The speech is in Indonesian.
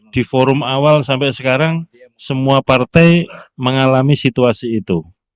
di forum awal sampai sekarang semua partai mengalami situasi itu